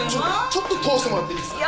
ちょっと通してもらっていいですか？